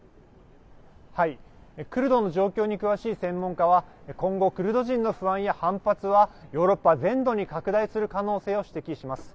クルドの状況に詳しい専門家は今後クルド人の不安や反発はヨーロッパ全土に拡大する可能性を指摘します。